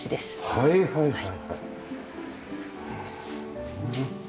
はいはいはいはい。